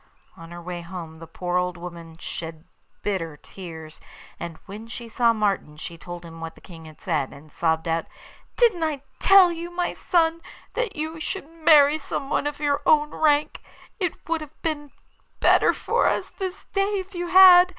On her way home the poor old woman shed bitter tears, and when she saw Martin she told him what the King had said, and sobbed out: 'Didn't I tell you, my son, that you should marry someone of your own rank? It would have been better for us this day if you had.